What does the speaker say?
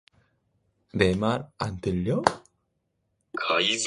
내 말 안 들려?